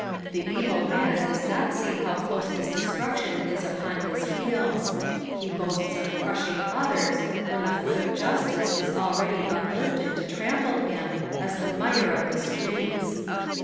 ^' The evil man does not see bow close bis destruction is upon his heels ; he bossts of crushing others when the foot of justice is already uplifted to trample him as the mire of the strcits.